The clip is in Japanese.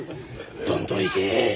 どんどんいけ。